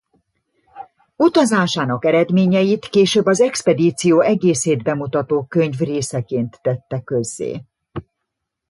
Utazásának eredményeit később az expedíció egészét bemutató könyv részeként tette közzé.